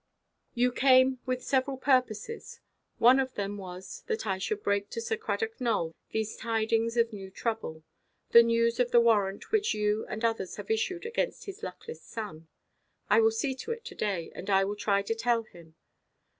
"You came with several purposes. One of them was, that I should break to Sir Cradock Nowell these tidings of new trouble; the news of the warrant which you and others have issued against his luckless son. I will see to it to–day, and I will try to tell him.